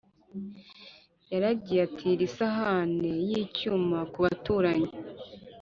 Yaragiye atira isahane y’icyuma ku baturanyi,